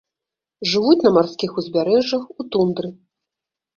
Жывуць на марскіх узбярэжжах, у тундры.